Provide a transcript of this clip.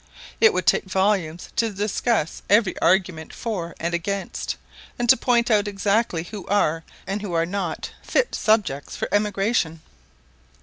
It would take volumes to discuss every argument for and against, and to point out exactly who are and who are not fit subjects for emigration.